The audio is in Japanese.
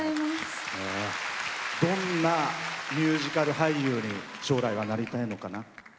どんなミュージカル俳優に将来はなりたいのかな？